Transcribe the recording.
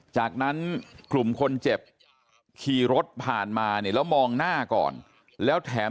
จากนั้นกลุ่มคนเจ็บขี่รถผ่านมาเนี่ยแล้วมองหน้าก่อนแล้วแถม